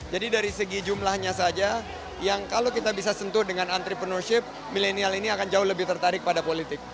jadi dari segi jumlahnya saja yang kalau kita bisa sentuh dengan entrepreneurship milenial ini akan jauh lebih tertarik pada politik